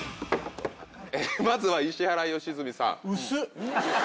まずは石原良純さん。